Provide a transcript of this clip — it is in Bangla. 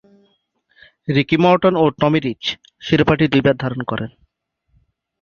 রিকি মর্টন ও টমি রিচ শিরোপাটি দুইবার ধারণ করেন।